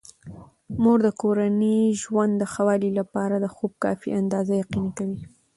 مور د کورني ژوند د ښه والي لپاره د خوب کافي اندازه یقیني کوي.